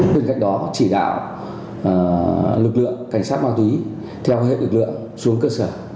bên cạnh đó chỉ đạo lực lượng cảnh sát ma túy theo hệ lực lượng xuống cơ sở